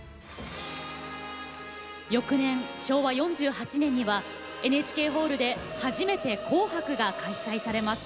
翌年、昭和４８年には ＮＨＫ ホールで初めて「紅白」が開催されます。